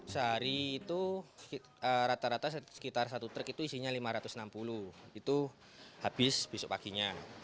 sehari itu rata rata sekitar satu truk itu isinya lima ratus enam puluh itu habis besok paginya